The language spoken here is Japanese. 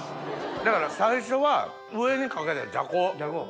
だから最初は上にかけてるじゃこ。